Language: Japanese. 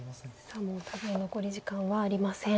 さあもうお互い残り時間はありません。